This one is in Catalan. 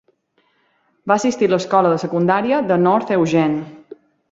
Va assistir a l'escola de secundària de North Eugene.